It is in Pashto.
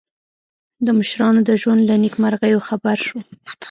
د مشرانو د ژوند له نېکمرغیو خبر شو.